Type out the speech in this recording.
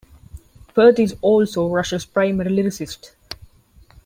Peart is also Rush's primary lyricist.